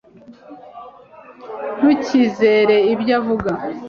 Ntukizere ibyo avuga